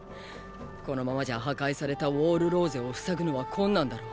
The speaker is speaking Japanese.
このままじゃ破壊されたウォール・ローゼを塞ぐのは困難だろう。